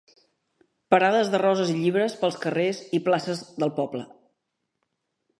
Parades de roses i llibres pels carrers i places del poble.